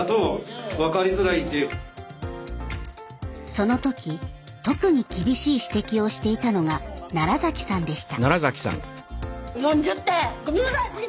その時特に厳しい指摘をしていたのが奈良さんでした。